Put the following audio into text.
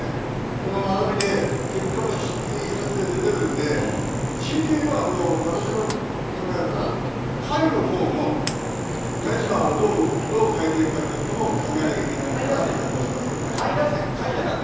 この並びで結果もいい形で出てるんで、しいて言えばもう私の考えだったら、かいのほうのメンバーをどう変えていくかということも考えなきゃいけないのかなという感じはしますけどね。